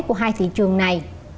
của hai thị trường này